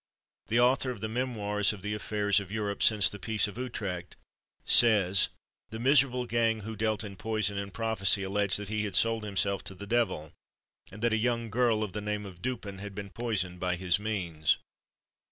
The author of the Memoirs of the Affairs of Europe since the Peace of Utrecht, says, "The miserable gang who dealt in poison and prophecy alleged that he had sold himself to the devil, and that a young girl of the name of Dupin had been poisoned by his means.